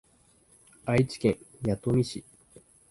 愛知県弥富市